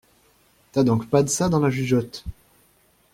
T'as donc pas de ça dans la jugeote!